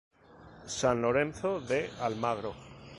San Lorenzo de Almagro.